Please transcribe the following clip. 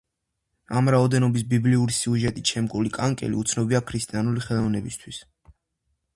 ამ რაოდენობის ბიბლიური სიუჟეტით შემკული კანკელი უცნობია ქრისტიანული ხელოვნებისათვის.